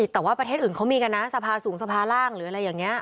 แต่ว่าประเทศอื่นเขามีกันนะสภาสูงสภาร่างหรืออะไรอย่างนี้